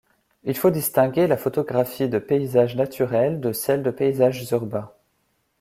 Il faut distinguer la photographie de paysages naturels de celle de paysages urbains.